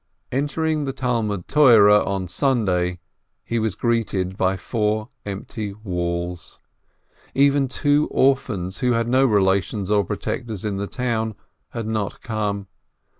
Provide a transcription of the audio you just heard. " Entering the Talmud Torah on Sunday, he was greeted by four empty walls. Even two orphans, who had no relations or protector in the town, had not come.